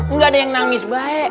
nggak ada yang nangis baik